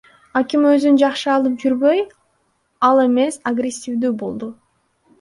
Аким өзүн жакшы алып жүрбөй, ал эмес агрессивдүү болду.